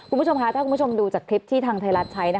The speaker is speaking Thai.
คุณผู้ชมคะถ้าคุณผู้ชมดูจากคลิปที่ทางไทยรัฐใช้